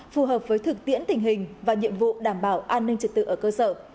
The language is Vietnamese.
phù hợp với thực tiễn tình hình và nhiệm vụ đảm bảo an ninh trật tự ở cơ sở